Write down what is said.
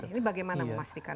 ini bagaimana memastikan